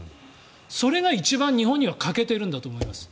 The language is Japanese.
それが一番、日本には欠けているんだと思います。